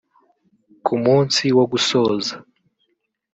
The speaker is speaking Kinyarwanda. Ku munsi wo gusoza